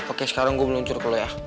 oke sekarang gue meluncur ke lo ya